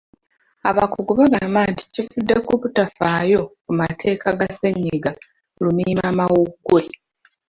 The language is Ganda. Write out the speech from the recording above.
Abakugu bagamba nti kivudde ku butafaayo ku mateeka ga ssennyiga lumiimamawuggwe.